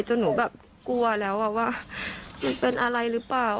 หนูแบบกลัวแล้วว่ามันเป็นอะไรหรือเปล่า